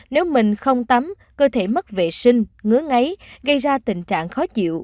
nếu mình không tắm cơ thể mất vệ sinh ngứa ngáy gây ra tình trạng khó chịu